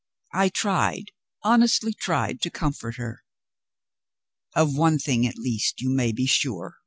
I tried, honestly tried, to comfort her. "Of one thing at least you may be sure."